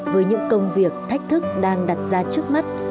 với những công việc thách thức đang đặt ra trước mắt